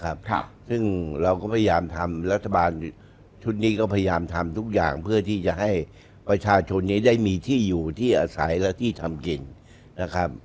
ครับซึ่งเราก็พยายามทำรัฐบาลชุดนี้ก็พยายามทำทุกอย่างเพื่อที่จะให้ประชาชนเนี้ยได้มีที่อยู่ที่อาศัยและที่ทำกินนะครับ